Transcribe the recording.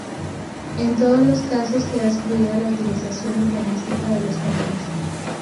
En todos los casos queda excluida la utilización urbanística de los caminos.